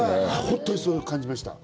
本当にそう感じました。